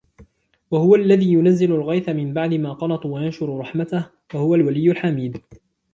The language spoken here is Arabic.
وَهُوَ الَّذِي يُنَزِّلُ الْغَيْثَ مِنْ بَعْدِ مَا قَنَطُوا وَيَنْشُرُ رَحْمَتَهُ وَهُوَ الْوَلِيُّ الْحَمِيدُ